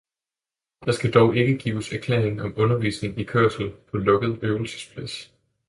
Der skal dog ikke gives erklæring om undervisning i kørsel på lukket øvelsesplads